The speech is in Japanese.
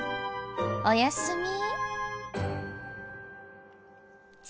おやすみ。